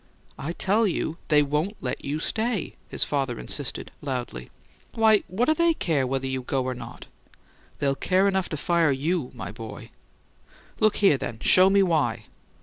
"I tell you they won't let you stay," his father insisted, loudly. "Why, what do they care whether you go or not?" "They'll care enough to fire YOU, my boy!" "Look here, then; show me why."